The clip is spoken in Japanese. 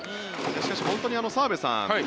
しかし本当に澤部さん